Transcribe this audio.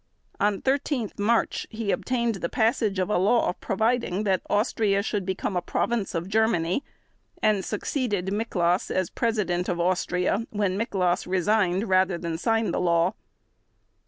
On 13 March he obtained the passage of a law providing that Austria should become a province of Germany and succeeded Miklas as President of Austria when Miklas resigned rather than sign the law.